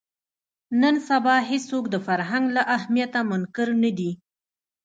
نن سبا هېڅوک د فرهنګ له اهمیته منکر نه دي